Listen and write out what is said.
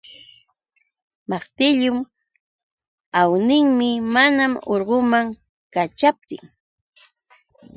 Maqtillu awninmi maman urguman kaćhaptin.